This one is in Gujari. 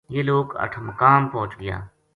یہ لوک اٹھمقام پوہچ گیا